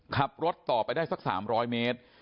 ขับรถต่อไปได้สัก๓๐๐เมตร